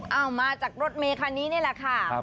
เอามาจากรถเมคันนี้นี่แหละค่ะ